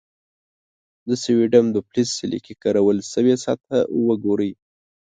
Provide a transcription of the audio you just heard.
د سوډیم د فلز صیقلي ګرول شوې سطحه وګورئ.